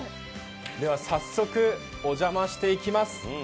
早速、お邪魔していきます。